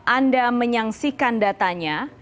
anda menyaksikan datanya